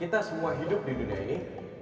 kita semua hidup di dunia ini